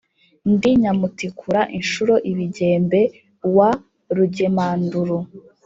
ndi nyamutikura inshuro ibigembe wa rugemanduru,